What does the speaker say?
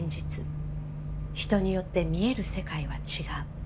人によって見える世界は違う。